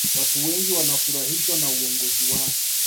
watu wengi wanafurahishwa na uongozi wake